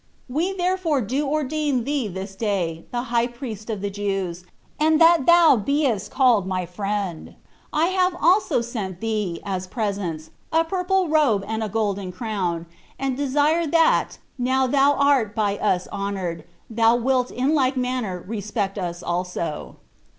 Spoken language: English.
We therefore do ordain thee this day the high priest of the Jews, and that thou beest called my friend. I have also sent thee, as presents, a purple robe and a golden crown, and desire that, now thou art by us honored, thou wilt in like manner respect us also."